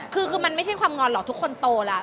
คือมันไม่ใช่ความงอนหรอกทุกคนโตแล้ว